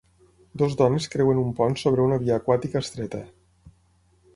Dues dones creuen un pont sobre una via aquàtica estreta.